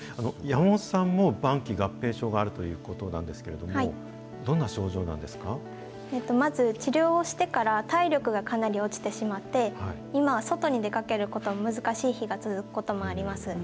山本さんも晩期合併症があるということなんですけれども、どんなまず治療をしてから体力がかなり落ちてしまって、今は外に出かけることも難しい日が続くこともあります。